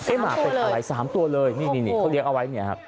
อ๊ะหมาเป็นอะไร๓ตัวเลยนี่นี่เขาเรียกเอาไว้ไปนี่ครับ